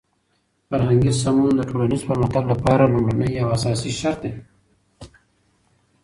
فرهنګي سمون د ټولنیز پرمختګ لپاره لومړنی او اساسی شرط دی.